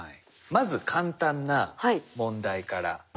まず簡単な問題から。